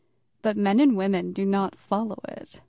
But men and women do not follow it.